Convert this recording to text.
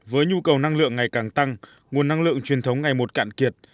với nhu cầu năng lượng ngày càng tăng nguồn năng lượng truyền thống ngày một cạn kiệt